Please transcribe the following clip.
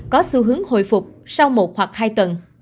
có xu hướng hồi phục sau một hoặc hai tuần